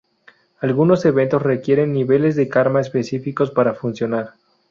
Algunos eventos requieren niveles de karma específicos para funcionar.